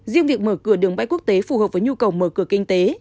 riêng việc mở cửa đường bay quốc tế phù hợp với nhu cầu mở cửa kinh tế